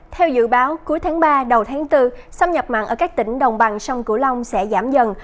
theo dự báo cuối tháng ba đầu tháng bốn xâm nhập mặn ở các tỉnh đồng bằng sông cửu long sẽ giảm dần